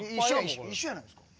一緒やないですか。